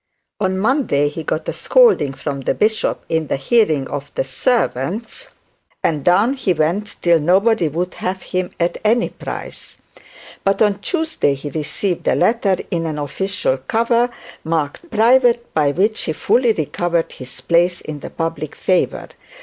On Monday, he got a scolding from the bishop in the hearing of the servants, and down he went till nobody would have him at any price; but on Tuesday he received a letter, in an official cover, marked private, by which he fully recovered his place in the public favour.